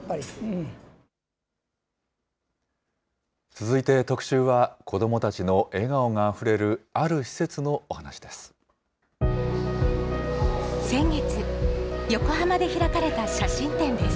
続いて、特集は子どもたちの笑顔があふれる、ある施設のお話です。